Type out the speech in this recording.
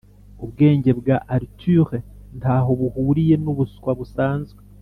ubwenge bwa artile ntaho buhuriye nubuswa busanzwe